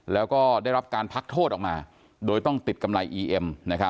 แล้วก็ได้รับการพักโทษออกมาโดยต้องติดกำไรอีเอ็ม